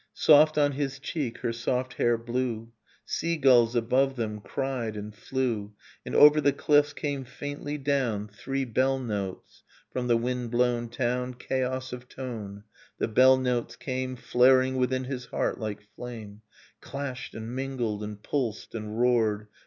Soft on his cheek her soft hair blew. Sea gulls above them cried and flew. And over the cliffs came faintly down Three bell notes from the wind blown town Chaos of tone ... The bell notes came Flaring within his heart like flame, Clashed and mingled and pulsed and roared.